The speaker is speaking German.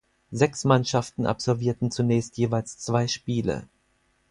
Sechs Mannschaften absolvierten zunächst jeweils zwei Spiele.